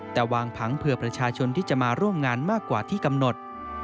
แต่วางผังเผื่อประชาชนที่จะมาร่วมงานมากกว่าที่กำหนด